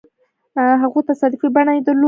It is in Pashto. هغو تصادفي بڼه يې درلوده.